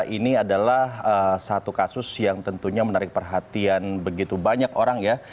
ini adalah satu kasus yang tentunya menarik perhatian begitu banyak orang ya